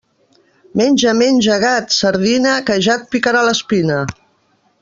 Menja, menja, gat, sardina, que ja et picarà l'espina.